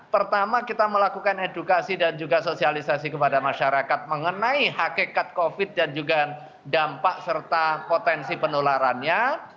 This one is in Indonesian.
pertama kita melakukan edukasi dan juga sosialisasi kepada masyarakat mengenai hakikat covid dan juga dampak serta potensi penularannya